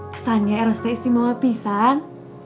kesannya eras teh istimewa pisang